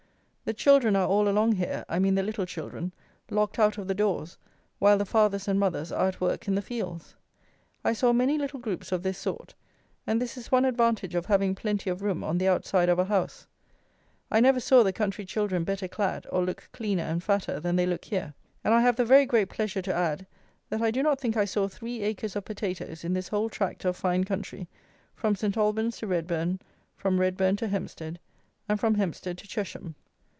The children are all along here, I mean the little children, locked out of the doors, while the fathers and mothers are at work in the fields. I saw many little groups of this sort; and this is one advantage of having plenty of room on the outside of a house. I never saw the country children better clad, or look cleaner and fatter than they look here, and I have the very great pleasure to add, that I do not think I saw three acres of potatoes in this whole tract of fine country, from St. Albans to Redbourn, from Redbourn to Hempstead, and from Hempstead to Chesham.